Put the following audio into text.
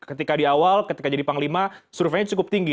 ketika diawal ketika jadi panglima surfenya cukup tinggi